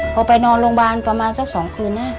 พอไปนอนโรงพยาบาลประมาณสัก๒คืนนะ